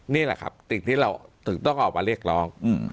นี่แหละครับสิ่งที่เราถึงต้องออกมาเรียกร้อง